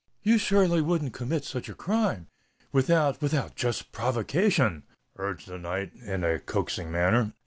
"You surely wouldn't commit such a crime—without—without just provocation?" urged the knight, in a coaxing manner.